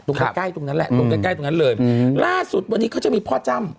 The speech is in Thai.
ใกล้ใกล้ตรงนั้นแหละตรงใกล้ใกล้ตรงนั้นเลยล่าสุดวันนี้เขาจะมีพ่อจ้ำ